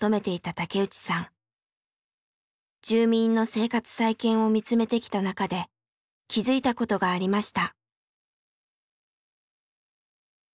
住民の生活再建を見つめてきた中で気付いたことがありました。